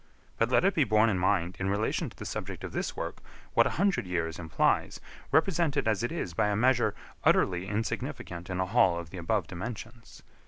But let it be borne in mind, in relation to the subject of this work, what a hundred years implies, represented as it is by a measure utterly insignificant in a hall of the above dimensions.